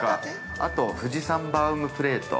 あと、富士山ばあむプレート。